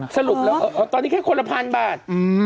สรุปแล้วตอนนี้แค่คนละพันบาท